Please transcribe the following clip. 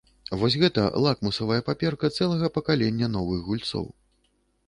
Вось гэта лакмусавая паперка цэлага пакалення новых гульцоў.